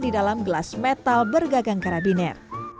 di dalam gelas metal bergagang karabiner